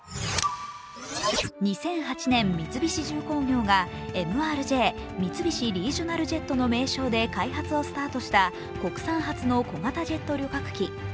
２００８年、三菱重工業がＭＲＪ＝三菱リージョナルジェットの名称で開発をスタートした国産初の小型ジェット旅客機。